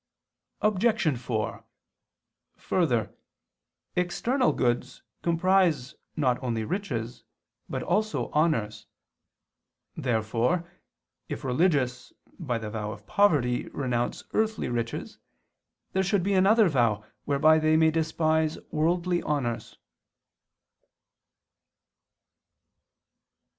Obj. 4: Further, external goods comprise not only riches but also honors. Therefore, if religious, by the vow of poverty, renounce earthly riches, there should be another vow whereby they may despise worldly honors.